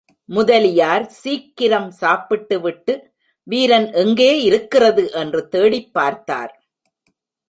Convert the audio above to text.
முதலியார் சீக்கிரம் சாப்பிட்டுவிட்டு வீரன் எங்கே இருக்கிறது என்று தேடிப் பார்த்தார்.